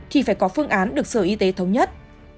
thì phải có phương án được sở y tế thống nhất